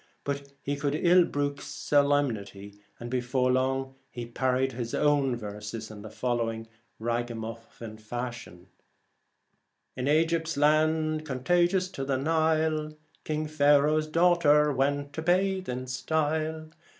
But he could ill brook so lemnity, and before long parodied his own verses in the following ragamuffin fashion : In Egypt's land, contagious to the Nile, King Pharaoh's daughter went to bathe in style.